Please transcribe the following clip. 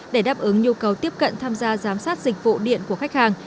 để đáp ứng nhu cầu tiếp cận tham gia giám sát dịch vụ điện của khách hàng